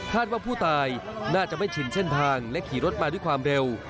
ว่าผู้ตายน่าจะไม่ชินเส้นทางและขี่รถมาด้วยความเร็ว